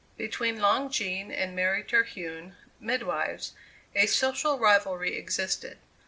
Between Long Jean and Mary Terhune, midwives, a social rivalry existed.